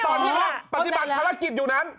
ตอนนี้กำลังปฏิบัติภารกิจอยู่นั้น